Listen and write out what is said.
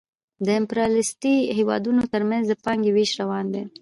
د امپریالیستي هېوادونو ترمنځ د پانګې وېش روان دی